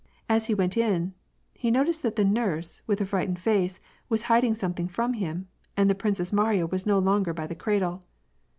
As he went in, he noticed that the nurse, with a frightened face, was hiding something from him, and the Princess Mariya was no longer by the cradle.